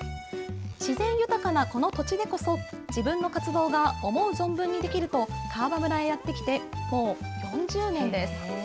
自然豊かなこの土地でこそ、自分の活動が思う存分にできると、川場村へやって来て、もう４０年です。